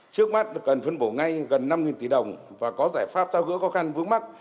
trước mắt cần phân bổ ngay gần năm tỷ đồng và có giải pháp thao gỡ khó khăn vướng mắt